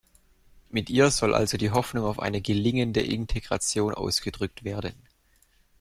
Mit ihr soll also die Hoffnung auf eine gelingende Integration ausgedrückt werden.